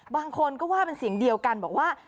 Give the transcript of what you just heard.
บางคนก็ว่าเป็นเสียงเดียวกันบอกว่า